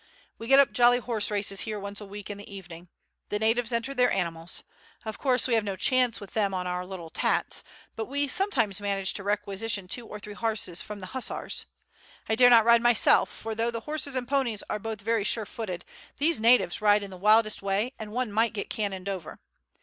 We get up jolly horse races here once a week in the evening. The natives enter their animals. Of course we have no chance with them on our little tats, but we sometimes manage to requisition two or three horses from the Hussars. I dare not ride myself, for though the horses and ponies are both very sure footed these natives ride in the wildest way and one might get cannoned over.